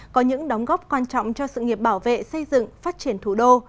có những đóng góp quan trọng cho sự nghiệp bảo vệ xây dựng phát triển thủ đô